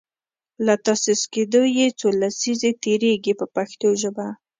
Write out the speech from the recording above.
له تاسیس کیدو یې څو لسیزې تیریږي په پښتو ژبه.